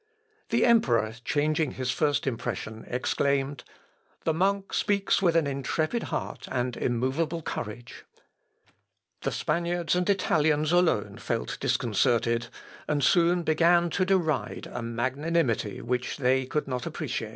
The emperor, changing his first impression, exclaimed, "The monk speaks with an intrepid heart and immovable courage." The Spaniards and Italians alone felt disconcerted, and soon began to deride a magnanimity which they could not appreciate.